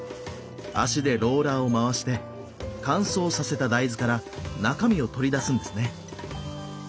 足でローラーを回して乾燥させた大豆から中身を取り出すんですね。